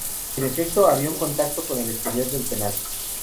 En efecto, había un contacto con el exterior del penal.